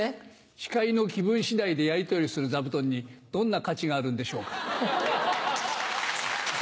司会の気分次第でやり取りする座布団にどんな価値があるんでしょうか。